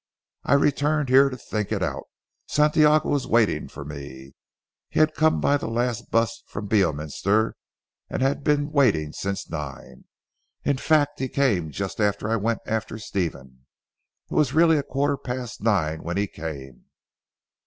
I returned here to think it out. Santiago was waiting for me. He had come by the last bus from Beorminster, and had been waiting since nine. In fact he came just after I went after Stephen. It was really a quarter past nine when he came."